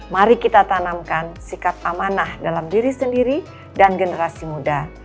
mari kita tanamkan sikap amanah dalam diri sendiri dan generasi muda